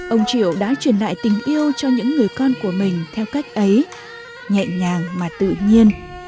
ông triệu đã truyền lại tình yêu cho những người con của mình theo cách ấy nhẹ nhàng mà tự nhiên